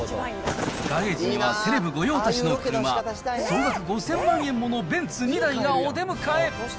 ガレージにはセレブ御用達の車、総額５０００万円ものベンツ２台がお出迎え。